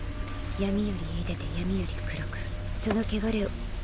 闇より出でて闇より黒くその穢れを。